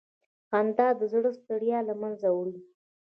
خندا د زړه ستړیا له منځه وړي.